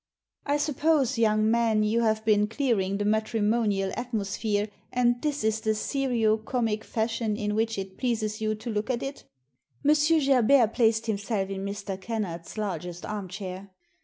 " I suppose, young man, you have been clearing the matrimonial atmosphere, and this is the serio comic fashion in which it pleases you to look at it" I M. Gerbert placed himself in Mr. Kennard's largest armchair.